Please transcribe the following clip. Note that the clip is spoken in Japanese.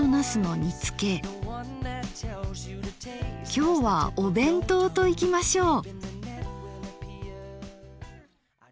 きょうはお弁当といきましょう。